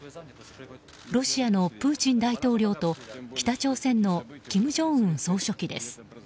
ロシアのプーチン大統領と北朝鮮の金正恩総書記です。